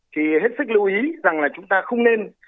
thì hết sức lưu ý rằng là chúng ta không nên